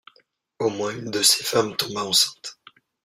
Au moins une de ces femmes tomba enceinte.